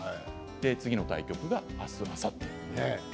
次の対局が明日、あさって。